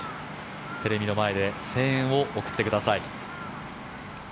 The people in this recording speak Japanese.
テレビの前で声援を送ってください。